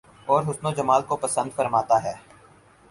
اور حسن و جمال کو پسند فرماتا ہے